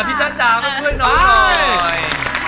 พี่จ๋าจ๋าก็ช่วยหน่อยหน่อย